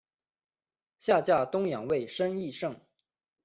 下嫁东阳尉申翊圣。